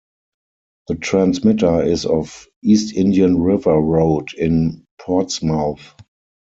The transmitter is off East Indian River Road in Portsmouth.